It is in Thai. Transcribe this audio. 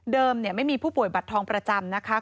เดิมไม่มีผู้ป่วยบัตรทองประจำ